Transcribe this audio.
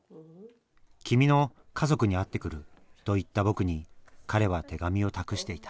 君の家族に会ってくると言った僕に彼は手紙を託していた